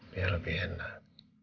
biar lebih enak